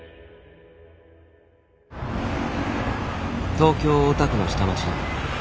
東京大田区の下町。